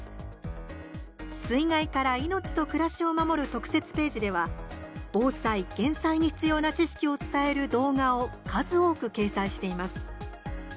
水害から命と暮らしを守る特設ページでは防災・減災に必要な知識を伝える動画を数多く掲載しています。